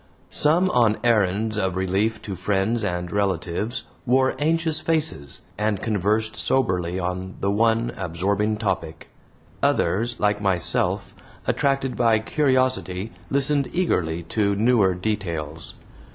Some on errands of relief to friends and relatives wore anxious faces, and conversed soberly on the one absorbing topic. Others, like myself, attracted by curiosity listened eagerly to newer details.